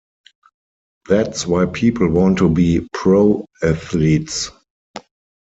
That's why people want to be pro athletes!